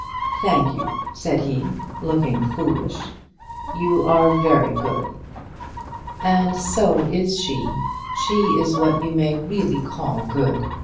"Thank you," said he, looking foolish; "you are very good." "And so is she. She is what you may really call good.